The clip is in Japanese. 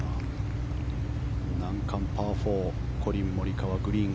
難関パー４コリン・モリカワグリーン